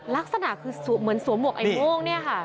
ลักษณะคือเหมือนสวมหวกไอ้โม่งเนี่ยค่ะ